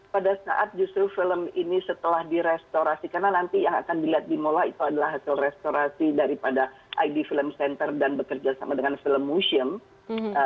pada saat justru film ini setelah direstorasi karena nanti yang akan dilihat di mola itu adalah hasil restorasi daripada id film center dan bekerja sama dengan film museum